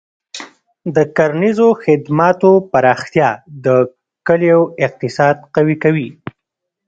د کرنیزو خدماتو پراختیا د کلیو اقتصاد قوي کوي.